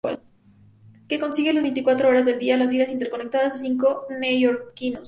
Que sigue las veinticuatro horas del día, las vidas interconectadas de cinco neoyorquinos.